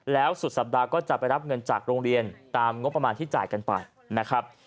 แล้วสุดสัปดาห์ก็จะไปรับเงินจากโรงเรียนตามงบประมาณที่จ่ายกันไปนะครับ